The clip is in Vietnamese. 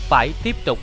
phải tiếp tục